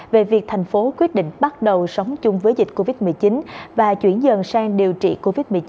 về việc thành phố quyết định bắt đầu sống chung với dịch covid một mươi chín và chuyển dần sang điều trị covid một mươi chín